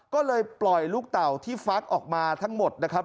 ก็เลยปล่อยลูกเต่าที่ฟักออกมาทั้งหมดนะครับ